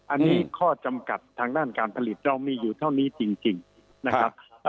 อันนี้ข้อจำกัดทางด้านการผลิตเรามีอยู่เท่านี้จริงนะครับ